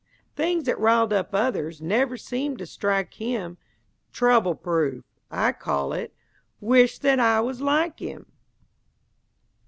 Things that rile up others Never seem to strike him! "Trouble proof," I call it, Wisht that I was like him!